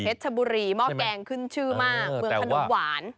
ชบุรีหม้อแกงขึ้นชื่อมากเมืองขนมหวาน